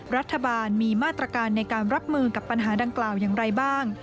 รัฐบาลมีมาตรการในการรับมือกับปัญหาดังกล่าวอย่างไรบ้าง